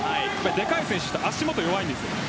でかい選手は足元が弱いんです。